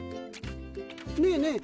ねえねえ